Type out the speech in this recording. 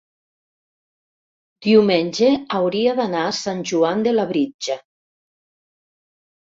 Diumenge hauria d'anar a Sant Joan de Labritja.